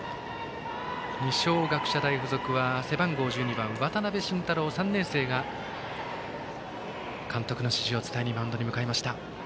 二松学舎大付属は背番号１２番の渡部心太朗、３年生が監督の指示を伝えにマウンドに向かいました。